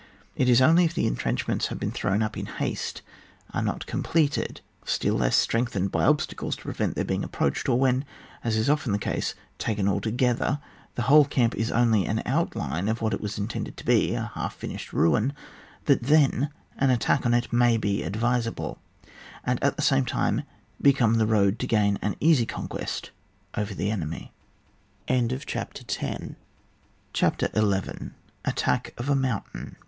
It is only if the entrenchments have been thrown up in haste are not completed, still lees strengthed by obstacles to prevent their being approached, or when, as is often the case taken altogether, the whole camp is only an outline of what it was intended to be, a half finished ruin, that then an attack on it may be advisable^ and at the same time become the road to gain an easy conquest over the enemy. CHAPTER XI. ATTACK OF A MOUNTAIN.